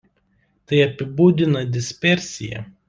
Tai apibūdina dispersija.